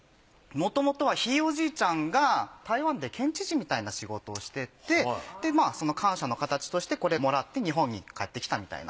もともとはひいおじいちゃんが台湾で県知事みたいな仕事をしててその感謝の形としてこれもらって日本に帰ってきたみたいな。